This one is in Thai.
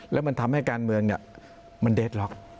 แล้วมันทำให้การเมืองมันเดทล็อก